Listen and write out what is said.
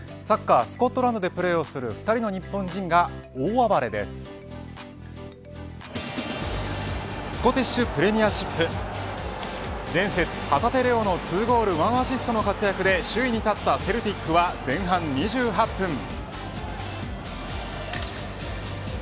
サッカー、スコットランドでプレーをする２人の日本人がスコティッシュプレミアシップ前節、旗手怜央の２ゴールとアシストの活躍で首位に立ったセルティックは前半２８分。